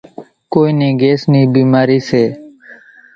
ڪونئين نين گھيس نِي ڀِيمارِي سي۔